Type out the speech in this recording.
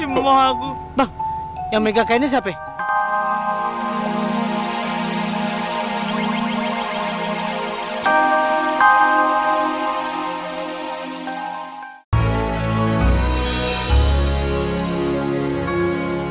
bang yang megang kayak ini siapa ya